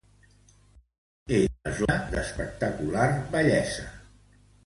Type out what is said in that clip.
Agua Negra és una zona d'espectacular bellesa.